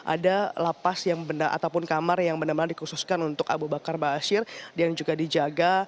ada lapas ataupun kamar yang benar benar dikhususkan untuk abu bakar ba'asyir dan juga dijaga